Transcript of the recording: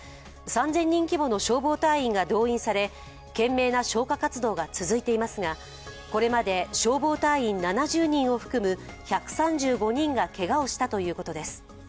３０００人規模の消防隊員が動員され懸命な消火活動が続いていますがこれまで消防隊員７０人を含む１３５人がけがをしたということです